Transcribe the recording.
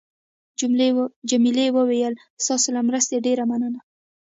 جميلې وويل: ستاسو له مرستې نه ډېره مننه.